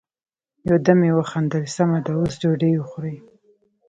يو دم يې وخندل: سمه ده، اوس ډوډی وخورئ!